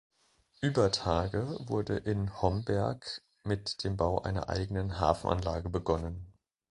Über Tage wurde in Homberg mit dem Bau einer eigenen Hafenanlage begonnen.